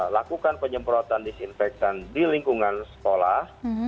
lakukan penyemprotan disinfektan di lingkungan sekolah